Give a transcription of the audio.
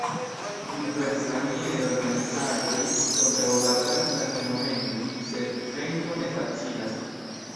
Diversmaniere organizaĵoj kontraŭbatalas la fenomenojn, sed venko ne facilas.